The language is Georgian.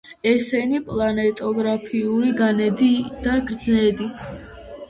ესენია პლანეტოგრაფიული განედი და გრძედი.